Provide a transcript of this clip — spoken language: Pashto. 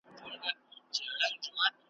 ستا غیبت مي تر هیڅ غوږه نه دی وړی ,